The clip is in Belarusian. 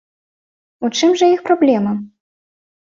У чым жа іх праблема?